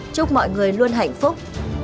chúc mọi người luôn hạnh phúc